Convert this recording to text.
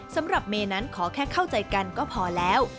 สำหรับเมย์นั้นขอแค่เข้าใจกันก็พอแล้ว